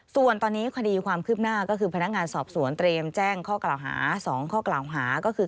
ส่วนตอนนี้คดีความคืบหน้าก็คือพนักงานสอบสวนเตรียมแจ้งข้อกล่าวหา๒ข้อกล่าวหาก็คือ